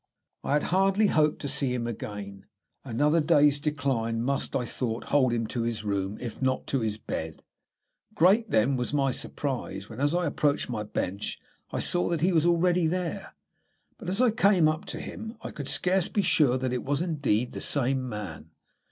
I had hardly hoped to see him again. Another day's decline must, I thought, hold him to his room, if not to his bed. Great, then, was my surprise when, as I approached my bench, I saw that he was already there. But as I came up to him I could scarce be sure that it was indeed the same man.